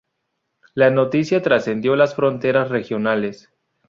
La noticia trascendió las fronteras regionales.